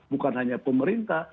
bukan hanya pemerintah